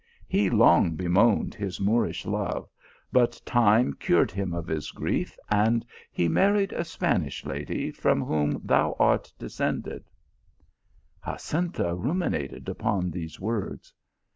He long bemoaned his Moorish love, but time cured him of his grief, and he married a Span ish lady, from whom thou art descended" Jacinta ruminated upon these words.